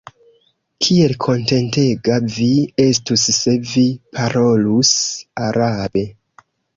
Kiel kontentega vi estus, se vi parolus arabe.